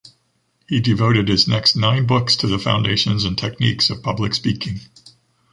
He devoted his next nine books to the foundations and techniques of public speaking.